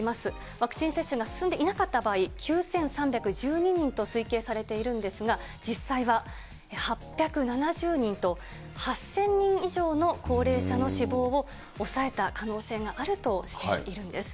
ワクチン接種が進んでいなかった場合、９３１２人と推計されているんですが、実際は８７０人と、８０００人以上の高齢者の死亡を抑えた可能性があるとしているんです。